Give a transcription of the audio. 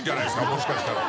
もしかしたら。